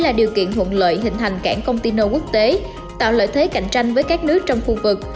và điều kiện thuận lợi hình thành cảng công ty nâu quốc tế tạo lợi thế cạnh tranh với các nước trong khu vực